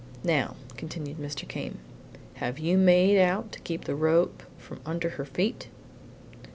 "Now," continued Mr. Came, "have you made out to keep the rope from under her feet?"